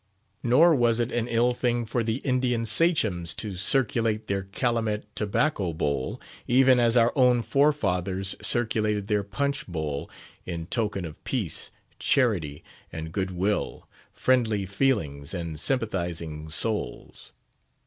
Nor was it an ill thing for the Indian Sachems to circulate their calumet tobacco bowl—even as our own forefathers circulated their punch bowl—in token of peace, charity, and good will, friendly feelings, and sympathising souls.